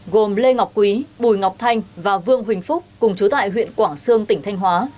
gồm lê ngọc quý bùi ngọc thanh và vương huỳnh phúc cùng chú tại huyện quảng sương tỉnh thanh hóa